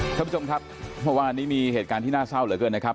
ท่านผู้ชมครับเมื่อวานนี้มีเหตุการณ์ที่น่าเศร้าเหลือเกินนะครับ